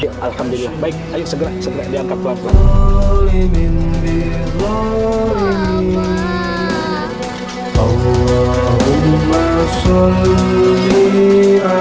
ya alhamdulillah baik ayo segera diangkat pelan pelan